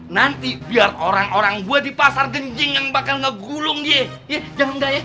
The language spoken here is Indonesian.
nanti biar orang orang gua di pasar genjing yang bakal ngegulung dia jangan enggak ya